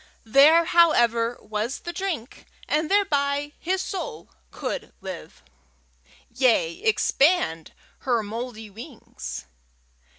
There, however, was the drink, and thereby his soul could live yea, expand her mouldy wings!